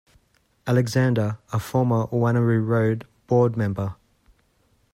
Alexander, a former Wanneroo Road Board member.